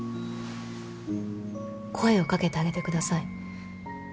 声を掛けてあげてください。